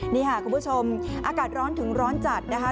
นี่ค่ะคุณผู้ชมอากาศร้อนถึงร้อนจัดนะคะ